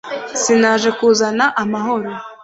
sinaje kuzana amahoro